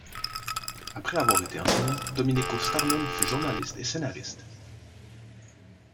Après avoir été enseignant, Domenico Starnone fut journaliste et scénariste.